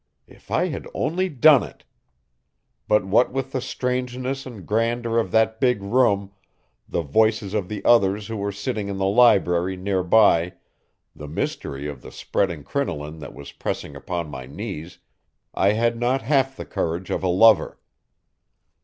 If I had only done it! But what with the strangeness and grandeur of that big room, the voices of the others who were sitting in the library, near by, the mystery of the spreading crinoline that was pressing upon my knees, I had not half the courage of a lover.